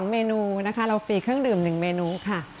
เมนูนะคะเรามีเครื่องดื่ม๑เมนูค่ะ